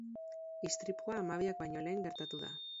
Istripua hamabiak baino lehen gertatu da.